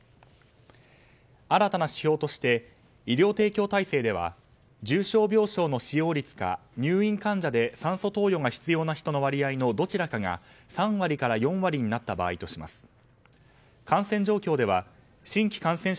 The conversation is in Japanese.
新たな指標として医療提供体制では重症病床の使用率か入院患者で酸素投与が必要な人のどちらかの割合が３割から４割になった場合とします。